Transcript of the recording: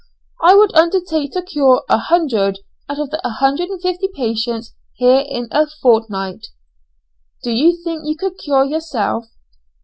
I would undertake to cure 100 out of the 150 patients here in a fortnight." "Do you think you could cure yourself?"